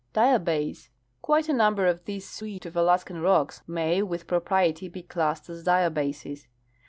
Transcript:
Diabase. Quite a number of this suite of Alaskan rocks may with pro priety be classed as diabases.